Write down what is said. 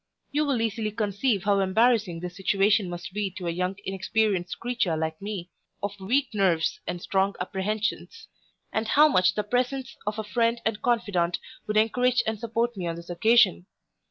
You will easily conceive how embarrassing this situation must be to a young inexperienced creature like me, of weak nerves and strong apprehensions; and how much the presence of a friend and confidant would encourage and support me on this occasion.